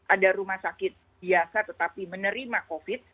ada rumah sakit biasa tetapi menerima covid